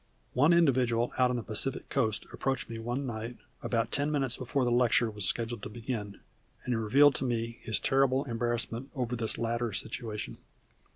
One individual out on the Pacific Coast approached me one night about ten minutes before the lecture was scheduled to begin, and revealed to me his terrible embarrassment over this latter situation.